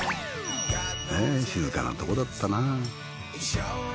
ねぇ静かなとこだったなぁ。